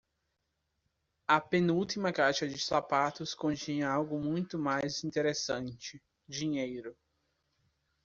A penúltima caixa de sapatos continha algo muito mais interessante - dinheiro.